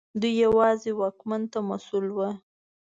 دوی یوازې واکمن ته مسوول ول.